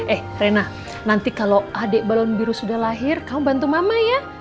eh rena nanti kalau adik balon biru sudah lahir kamu bantu mama ya